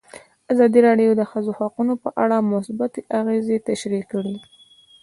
ازادي راډیو د د ښځو حقونه په اړه مثبت اغېزې تشریح کړي.